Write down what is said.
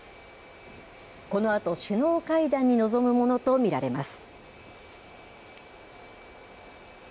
このあと首脳会談に臨むものと見られます。